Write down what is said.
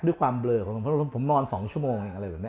ด้วยความเบลอผมนอน๒ชั่วโมง